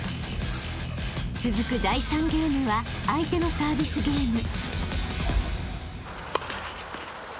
［続く第３ゲームは相手のサービスゲーム］